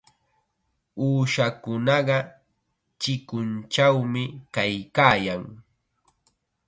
Uushakunaqa chikunchawmi kaykaayan.